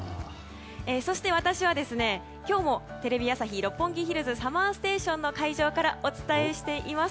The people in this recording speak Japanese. そして私は今日も「テレビ朝日・六本木ヒルズＳＵＭＭＥＲＳＴＡＴＩＯＮ」その会場からお伝えしています。